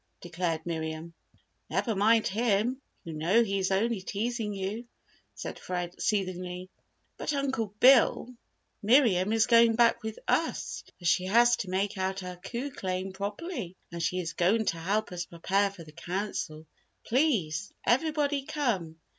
declared Miriam. "Never mind him, you know he is only teasing you," said Fred, soothingly. "But Uncle Bill, Miriam is going back with us as she has to make out her coup claim properly and she is going to help us prepare for the Council. Please, everybody come!